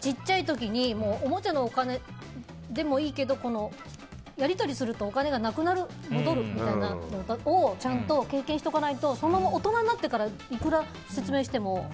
ちっちゃい時におもちゃのお金でもいいけどやり取りするとお金がなくなる、戻るというのをちゃんと経験しておかないと大人になってからいくら説明しても。